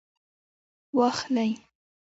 واخلئ